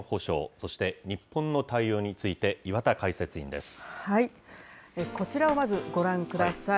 そして日本の対応について、岩田こちらをまずご覧ください。